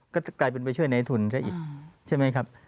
ก็กลายเป็นไปช่วยในทุนซะอีกใช่ไหมครับ